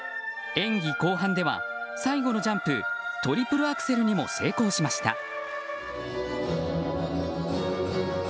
演技後半では最後のジャンプトリプルアクセルにも成功しました。